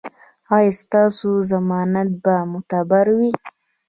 ایا ستاسو ضمانت به معتبر وي؟